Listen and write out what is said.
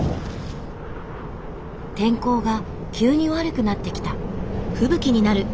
天候が急に悪くなってきた。